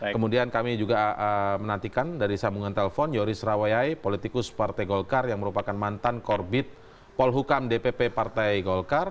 kemudian kami juga menantikan dari sambungan telpon yoris rawayai politikus partai golkar yang merupakan mantan korbit polhukam dpp partai golkar